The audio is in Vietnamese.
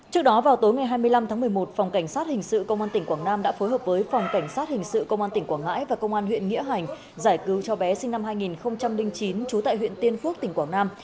trước đó vào tối ngày hai mươi năm tháng một mươi một phòng cảnh sát hình sự công an tỉnh quảng nam đã phối hợp với phòng cảnh sát hình sự công an tỉnh quảng ngãi và công an huyện nghĩa hành giải cứu cho bé sinh năm hai nghìn chín trú tại huyện tiên phước tỉnh quảng nam